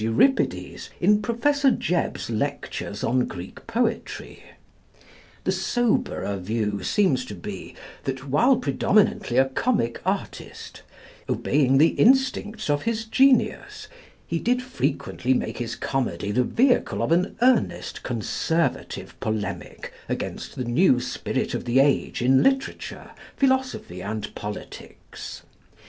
Euripides in Professor Jebb's lectures on Greek poetry. The soberer view seems to be that while predominantly a comic artist, obeying the instincts of his genius, he did frequently make his comedy the vehicle of an earnest conservative polemic against the new spirit of the age in Literature, Philosophy, and Politics.